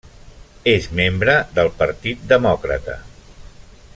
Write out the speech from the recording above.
És membre del Partit Demòcrata.